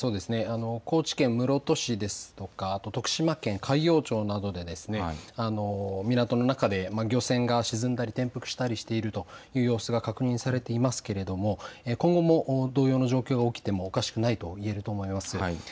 高知県室戸市ですとか徳島県海陽町などで港の中で漁船が沈んだり転覆したりしているという様子が確認されていますけれども今後も同様の状況が起きてもおかしくないと言えると思います。